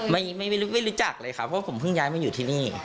ไม่รู้จักเลยดึงนี้เพราะผมเพิ่งย้ายมาที่นี่